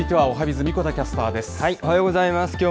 おはようございます。